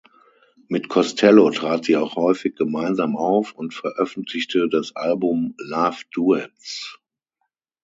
Mit Costello trat sie auch häufig gemeinsam auf und veröffentlichte das Album "Love Duets".